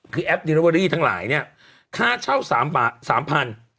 คือแอปดิเลเวอรี่ทั้งหลายเนี่ยค่าเช่าสามพัน